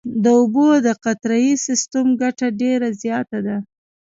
د اوبو د قطرهیي سیستم ګټه ډېره زیاته ده.